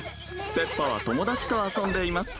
ペッパは友達と遊んでいます